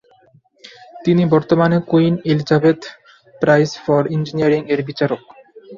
তিনি বর্তমানে Queen Elizabeth Prize for Engineering এর বিচারক।